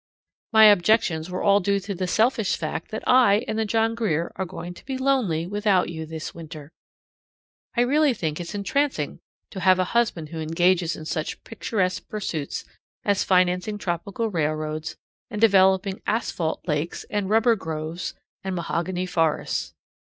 My objections were all due to the selfish fact that I and the John Grier are going to be lonely without you this winter. I really think it's entrancing to have a husband who engages in such picturesque pursuits as financing tropical railroads and developing asphalt lakes and rubber groves and mahogany forests.